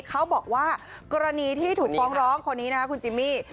เขาบอกว่ากรณีที่ถูกฟ้องร้องคนนี้นะครับคุณจิมมี่